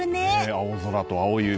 青空と青い海。